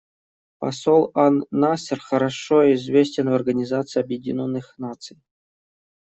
Посол ан-Насер хорошо известен в Организации Объединенных Наций.